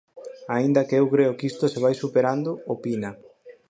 Aínda que eu creo que isto se vai superando, opina.